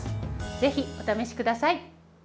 ぜひお試しください。